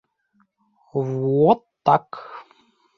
Вот так!